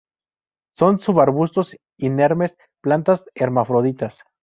Son subarbustos inermes; plantas hermafroditas.